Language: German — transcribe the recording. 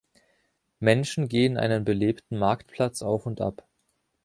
Menschen gehen einen belebten Marktplatz auf und ab.